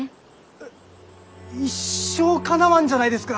えっ一生かなわんじゃないですか！